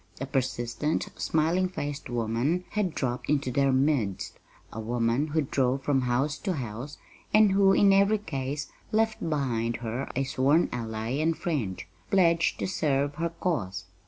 A persistent, smiling faced woman had dropped into their midst a woman who drove from house to house, and who, in every case, left behind her a sworn ally and friend, pledged to serve her cause.